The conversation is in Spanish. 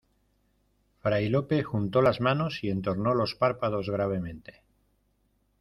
fray Lope juntó las manos y entornó los párpados gravemente: